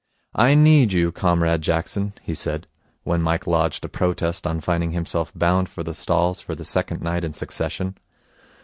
'I need you, Comrade Jackson,' he said, when Mike lodged a protest on finding himself bound for the stalls for the second night in succession.